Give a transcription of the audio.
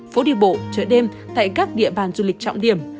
phố đi bộ chợ đêm tại các địa bàn du lịch trọng điểm